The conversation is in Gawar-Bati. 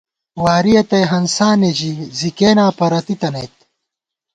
وارِیَہ تئ ہنسانے ژِی، زی کېناں پرَتی تنَئیت